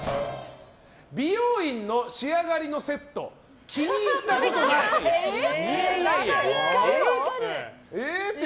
美容院の仕上がりのセット気に入ったことがない。